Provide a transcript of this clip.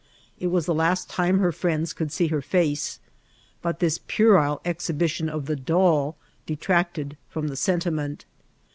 It was the last time her friends could see her face ; but this puerile exhibiticm of the doQ detract ed from the sentiment.